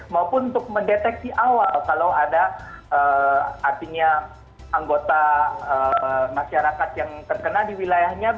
maupun untuk mendeteksi awal kalau ada artinya anggota masyarakat yang terkena di wilayahnya